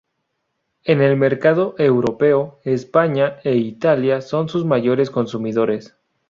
En el mercado europeo, España e Italia son sus mayores consumidores.